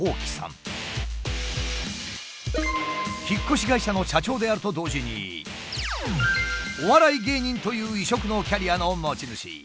引っ越し会社の社長であると同時にお笑い芸人という異色のキャリアの持ち主。